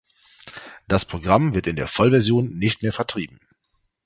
Das Programm wird in der Vollversion nicht mehr vertrieben.